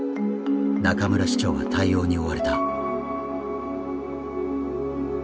中村師長は対応に追われた。